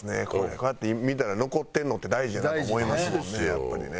こうやって見たら残ってるのって大事やなと思いますもんねやっぱりね。